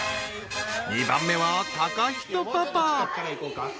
２番目は貴仁パパ。